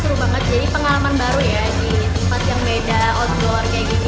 seru banget jadi pengalaman baru ya di tempat yang beda outdoor kayak gitu